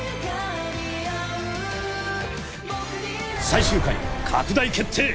最終回拡大決定！